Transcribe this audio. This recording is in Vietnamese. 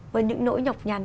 với những nỗi nhọc nhằn